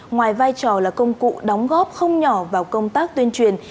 ngoài vai trò là công cụ đóng góp không nhỏ vào công tác tuyên truyền